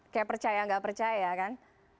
kayak percaya nggak percaya kan